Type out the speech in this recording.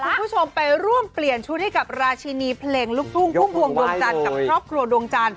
คุณผู้ชมไปร่วมเปลี่ยนชุดให้กับราชินีเพลงลูกทุ่งพุ่มพวงดวงจันทร์กับครอบครัวดวงจันท